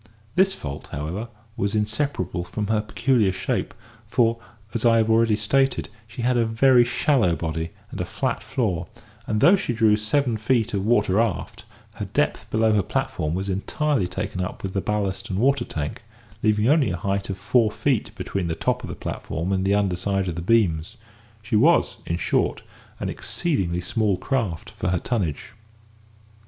This fault, however, was inseparable from her peculiar shape, for, as I have already stated, she had a very shallow body, and a flat floor; and although she drew seven feet of water aft, her depth below her platform was entirely taken up with the ballast and water tank, leaving only a height of four feet between the top of the platform and the under side of the beams; she was, in short, an exceedingly small craft for her tonnage.